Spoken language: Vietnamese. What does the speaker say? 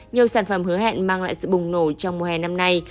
nhiều sản phẩm hứa hẹn mang lại sự bùng nổ trong mùa hè năm nay